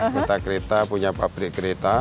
kita kereta punya pabrik kereta